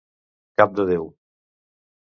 Cap de Déu!